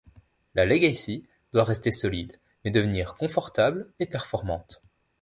La Legacy doit rester solide, mais devenir confortable et performante.